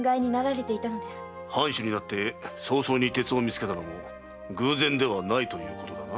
藩主になって早々に鉄を見つけたのも偶然ではないのだな。